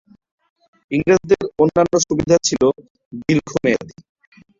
ইংরেজদের অন্যান্য সুবিধা ছিল দীর্ঘ মেয়াদী।